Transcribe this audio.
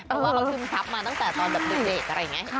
เพราะว่าเขาซึมซับมาตั้งแต่ตอนแบบเด็กอะไรอย่างนี้